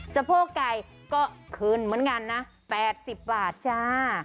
สะโพกไก่ก็ขึ้นเหมือนกันนะ๘๐บาทจ้า